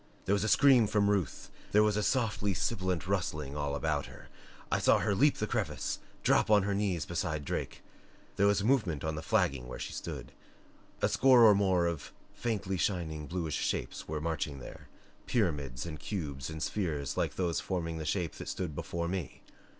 There was a scream from Ruth; there was softly sibilant rustling all about her. I saw her leap the crevice, drop on her knees beside Drake. There was movement on the flagging where she stood. A score or more of faintly shining, bluish shapes were marching there pyramids and cubes and spheres like those forming the shape that stood before me.